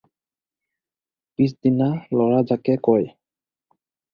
পিছদিনা ল'ৰা জাকে কয়।